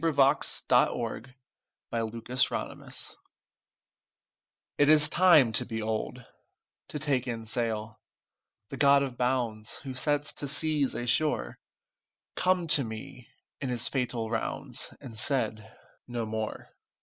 Ralph Waldo Emerson Terminus IT is time to be old, To take in sail: The god of bounds, Who sets to seas a shore, Come to me in his fatal rounds, And said: "No more!